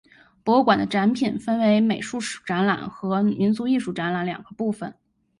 博物馆的展品分为美术史展览和民俗艺术展览两个部分。